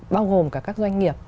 bao gồm cả các doanh nghiệp